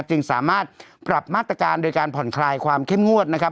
จึงสามารถปรับมาตรการโดยการผ่อนคลายความเข้มงวดนะครับ